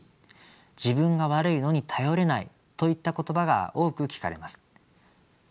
「自分が悪いのに頼れない」といった言葉が多く聞かれます。